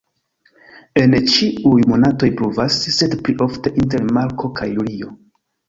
En ĉiuj monatoj pluvas, sed pli ofte inter marto kaj julio.